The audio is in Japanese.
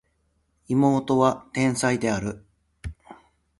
妹は天才である